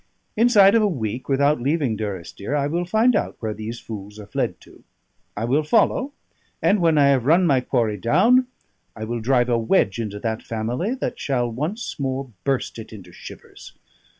Inside of a week, without leaving Durrisdeer, I will find out where these fools are fled to. I will follow; and when I have run my quarry down, I will drive a wedge into that family that shall once more burst it into shivers.